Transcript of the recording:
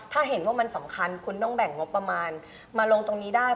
ถ้าเห็นว่ามันสำคัญคุณต้องแบ่งงบประมาณมาลงตรงนี้ได้